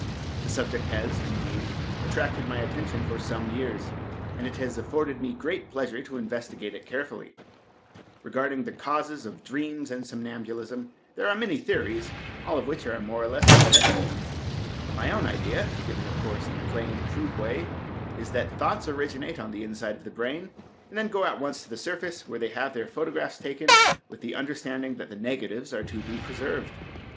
This subject has, indeed, attracted my attention for some years, and it has afforded me great pleasure to investigate it carefully. Regarding the causes of dreams and somnambulism, there are many theories, all of which are more or less untenable. My own idea, given, of course, in a plain, crude way, is that thoughts originate on the inside of the brain and then go at once to the surface, where they have their photographs taken, with the understanding that the negatives are to be preserved.